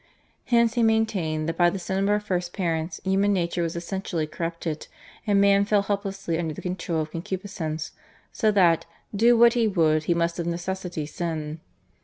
Hence he maintained that by the sin of our First Parents human nature was essentially corrupted, and man fell helplessly under the control of concupiscence, so that, do what he would, he must of necessity sin.